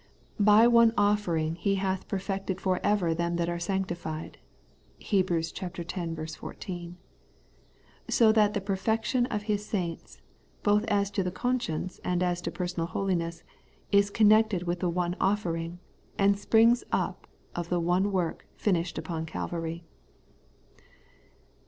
' By one offering He hath perfected for ever them that are sanctified' (Heb. x 14); so that the per fection of His saints, both as to the conscience and as to personal holiness, is connected with the one offering, and springs out of the one work finished upon Calvary.